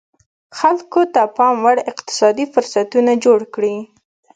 خلکو ته پاموړ اقتصادي فرصتونه جوړ کړي.